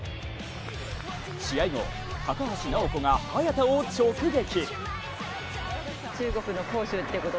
試合後、高橋尚子が早田を直撃。